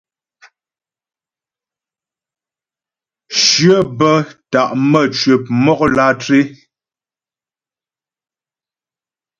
Shyə bə́ ta' nə́ mcwəp mɔk lǎtré.